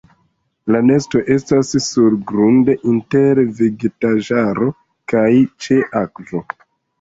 La nesto estas surgrunde inter vegetaĵaro kaj ĉe akvo.